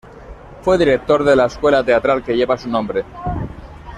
Fue director de la escuela teatral que lleva su nombre.